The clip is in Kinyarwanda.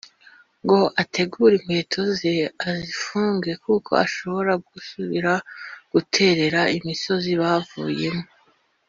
ngo ategure inkweto ze azifunge kuko ashobora gusubira guterera imisozi bavuyemo